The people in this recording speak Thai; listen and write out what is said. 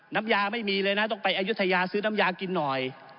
น้ำยาไม่มีเลยนะต้องไปอายุทยาซื้อน้ำยากินหน่อย